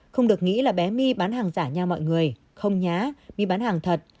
không được nghĩ là bé my bán hàng giả nha mọi người không nhá mi bán hàng thật